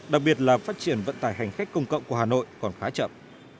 đặc biệt là phát triển vận tải hành khách công cộng của hà nội còn khá chậm